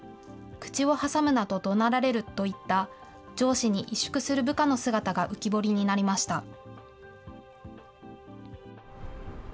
口を挟むななどとどなられるといった上司に萎縮する部下の姿が浮き彫りになりました。